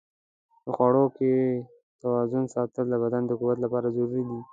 د خواړو کې توازن ساتل د بدن د قوت لپاره ضروري دي.